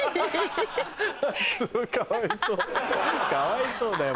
かわいそうだよ